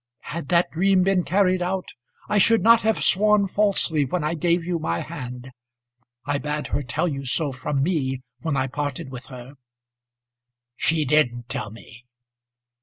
Had that dream been carried out, I should not have sworn falsely when I gave you my hand. I bade her tell you so from me, when I parted with her." "She did tell me."